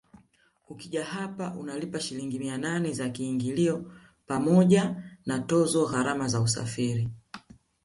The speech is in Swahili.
Ukija hapa unalipa Shilingi mia nane za kiingilio pamoja na tozo gharama za usafiri